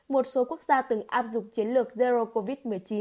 một số quốc gia từng áp dụng chiến lược zero covid một mươi chín